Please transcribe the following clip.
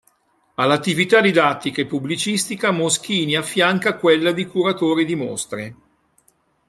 All'attività didattica e pubblicistica Moschini affianca quella di curatore di mostre.